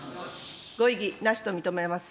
ご異議なしと認めます。